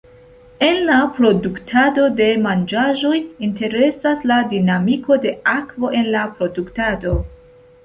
En la produktado de manĝaĵoj, interesas la dinamiko de akvo en la produktado.